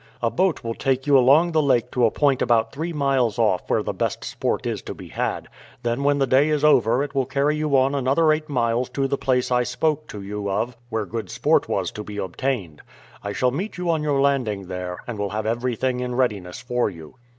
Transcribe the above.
A boat will take you along the lake to a point about three miles off where the best sport is to be had; then when the day is over it will carry you on another eight miles to the place I spoke to you of where good sport was to be obtained. I shall meet you on your landing there, and will have everything in readiness for you."